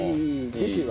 ジェシーは？